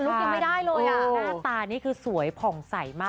หน้าตานี้คือสวยผ่องใสมาก